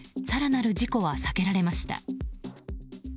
更なる事故は避けられました。